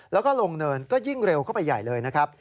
แล้วก็ลงเนินก็ยิ่งเร็วเข้าไปใหญ่เลยนะครับ